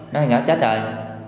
nó nói gạo chết rồi